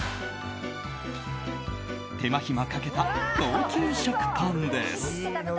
手間暇かけた高級食パンです。